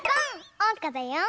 おうかだよ！